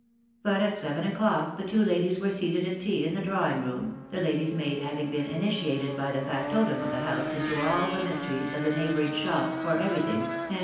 But at seven o'clock (the tiro were seated ait tea in the drawings room, the lady's maid 3m*. ing been initiated by the factotum of the house into all fta* mysteries of <the neighbouring "shop for every ithimg," mod.